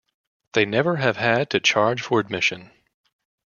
They never have had to charge for admission.